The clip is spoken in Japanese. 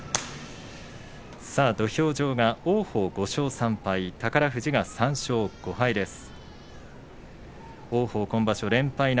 土俵上、王鵬５勝３敗宝富士が３勝５敗です。